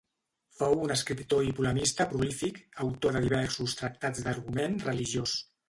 Fou un escriptor i polemista prolífic, autor de diversos tractats d'argument religiós.